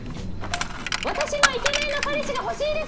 私もイケメンの彼氏が欲しいです！